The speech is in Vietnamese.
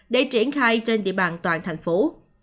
để triển khai trên địa bàn toàn thành phố